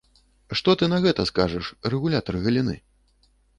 Што ты на гэта скажаш, рэгулятар галіны?